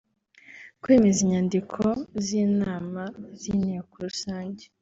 kwemeza inyandiko z’inama z’Inteko Rusange